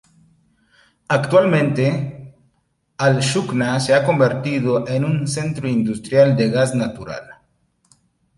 Actualmente, al-Sukhnah se ha convertido en un centro industrial de gas natural.